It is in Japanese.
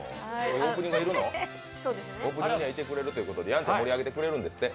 オープニングにはいてくれるということで、やんちゃんを盛り上げてくれるんですって。